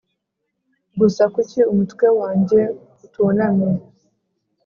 gusa kuki umutwe wanjye utunamye.